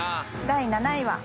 第７位は。